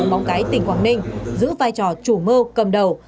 trong vụ án này hoàng anh giữ vai trò chủ mơ cầm đầu